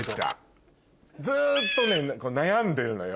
ずっとね悩んでるのよ。